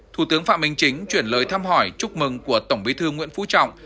thủ tướng phạm minh chính chuyển lời thăm hỏi chúc mừng của tổng bí thư nguyễn phú trọng